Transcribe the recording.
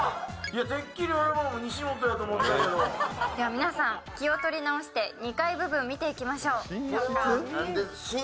皆さん、気を取り直して２階部分を見ていきましょう。